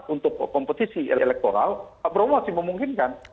untuk kompetisi elektoral pak prabowo masih memungkinkan